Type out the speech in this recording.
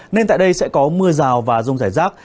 nên tại đây sẽ có mưa rào và rông rải rác